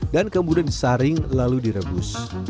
dan kemudian disaring lalu direbus